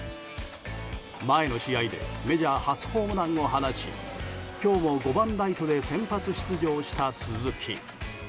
前の試合でメジャー初ホームランを放ち今日も５番ライトで先発出場した鈴木。